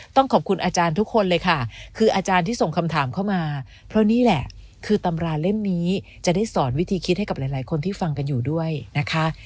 ต้องขอบคุณอาจารย์ทุกคนเลยค่ะคืออาจารย์ที่ส่งคำถามเข้ามาเพราะนี่แหละคือตำราเล่มนี้จะได้สอนวิธีคิดให้กับหลายคนที่ฟังกันอยู่ด้วยนะคะ